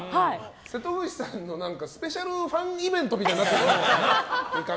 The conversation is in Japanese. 瀬戸口さんのスペシャルファンイベントみたいになってる。